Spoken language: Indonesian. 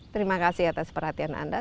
terima kasih atas perhatian anda